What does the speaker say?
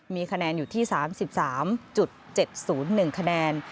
มีคะแนนอยู่ที่๓๓๗๐๑คะแนน